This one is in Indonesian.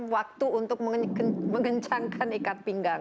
waktu untuk mengencangkan ikat pinggang